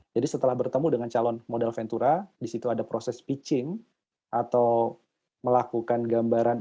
jadi setelah bertemu dengan calon modal ventura disitu ada proses pitching atau melakukan gambaran